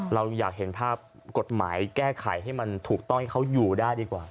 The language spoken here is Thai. เราอยากเห็นภาพกฎหมายแก้ไขให้มันถูกต้องให้เขาอยู่ได้ดีกว่า